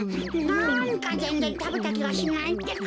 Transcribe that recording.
なんかぜんぜんたべたきがしないってか。